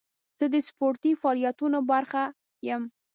زه د سپورتي فعالیتونو برخه یم.